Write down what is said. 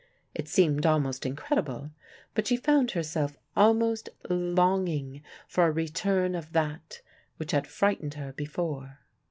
It seemed almost incredible, but she found herself almost longing for a return of that which had frightened her before.